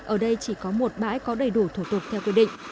ở đây chỉ có một bãi có đầy đủ thủ tục theo quy định